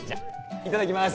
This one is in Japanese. いただきまーす